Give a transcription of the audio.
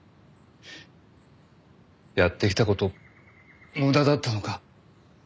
やってきた事無駄だったのか。